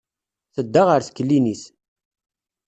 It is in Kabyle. Tedda ɣer teklinit.